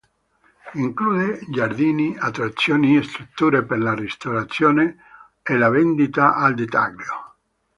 Include giardini, attrazioni, strutture per la ristorazione e la vendita al dettaglio.